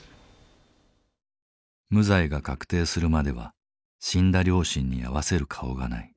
無罪が確定するまでは死んだ両親に合わせる顔がない。